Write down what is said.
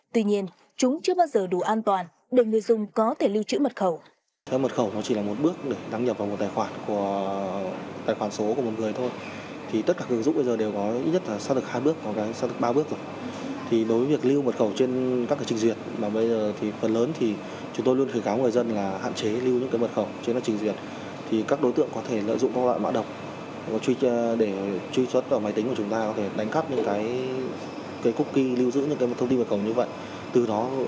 tuy nhiên chúng chưa bao giờ đủ an toàn để người dùng có thể lưu trữ mật khẩu